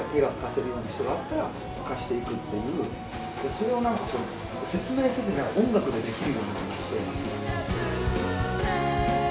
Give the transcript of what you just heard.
それを何か説明せずに音楽でできるような。